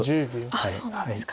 あっそうなんですか。